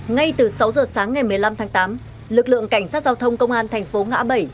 ngay từ sáu giờ sáng ngày một mươi năm tháng tám lực lượng cảnh sát giao thông công an thành phố ngã bảy